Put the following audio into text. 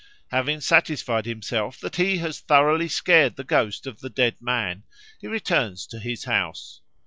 Having satisfied himself that he has thoroughly scared the ghost of the dead man, he returns to his house.